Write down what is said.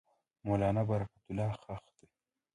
مولنا برکت الله ښخ دی.